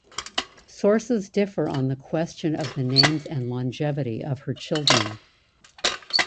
Sources differ on the question of the names and longevity of her children.